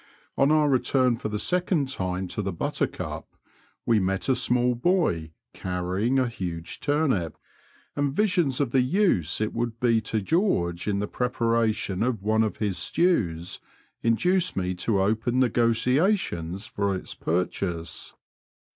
On our return for the second time to the Buttercup, we met a small boy carrying a huge turnip, and visions of the use it would be to George in the preparation of one of his stews induced me to open negociations for its purchase.